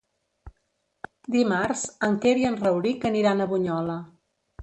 Dimarts en Quer i en Rauric aniran a Bunyola.